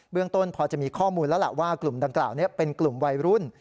เรื่องต้นพอจะมีข้อมูลแล้วล่ะว่ากลุ่มดังกล่าวนี้เป็นกลุ่มวัยรุ่น